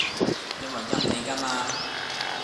因為陰你㗎嘛